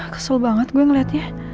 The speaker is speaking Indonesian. kesel banget gue ngeliatnya